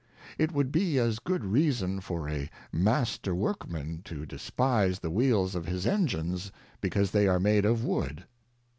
It would be as good Reason for a Master Workman to despise the Wheels of his Engines, because they are made of Wood.